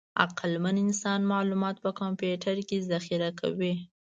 عقلمن انسان معلومات په کمپیوټر کې ذخیره کوي.